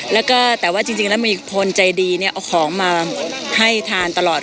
แล้วจริงก็มีคนใจดีเอาของมาให้ทานตลอด